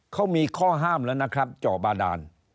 เขามีข้อห้ามแล้วนะครับเจาะบาดาน